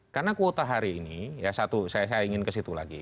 karena kuota hari ini ya satu saya ingin ke situ lagi